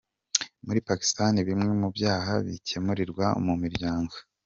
Muri Pakistan bimwe mu byaha bikemurirwa mu miryango.